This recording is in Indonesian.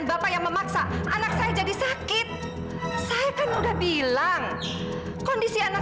sampai jumpa di video selanjutnya